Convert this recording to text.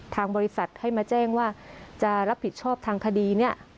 ทางบริษัทให้มาแจ้งว่าจะรับผิดชอบทางคดีเนี่ย